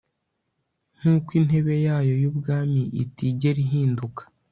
nkuko intebe yayo yubwami itigera ihinduka